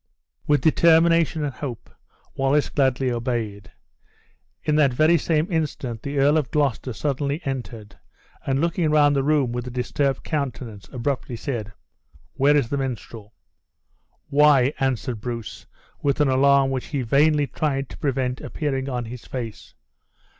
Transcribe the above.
With determination and hope, Wallace gladly obeyed. In that very same instant the Earl of Gloucester suddenly entered; and, looking round the room with a disturbed countenance, abruptly said: "Where is the minstrel?" "Why?" answered Bruce, with an alarm which he vainly tried to prevent appearing on his face.